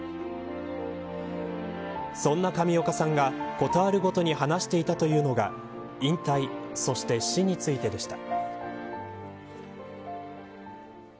そんな上岡さんが事あるごとに話していたというのが引退、そして死についてでした。